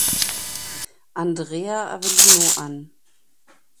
Andrea Avellino an.